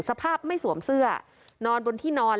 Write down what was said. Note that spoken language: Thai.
สภาพไม่สวมเสื้อนอนบนที่นอน